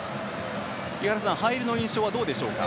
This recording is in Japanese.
井原さん入りの印象はどうでしょうか？